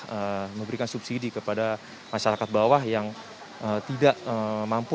untuk memberikan subsidi kepada masyarakat bawah yang tidak mampu